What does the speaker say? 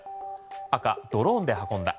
赤、ドローンで運んだ。